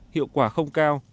hiệu quả không cao